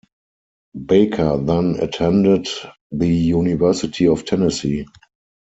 Baker then attended the University of Tennessee.